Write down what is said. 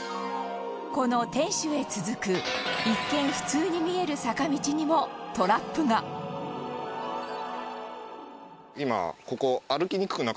この、天守へ続く一見、普通に見える坂道にもトラップが斎藤さん：今、ここ。